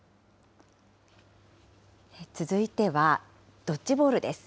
続いては、ドッジボールです。